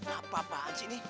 apa apaan sih ini